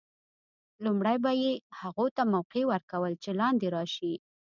لومړی به یې هغو ته موقع ور کول چې لاندې راشي.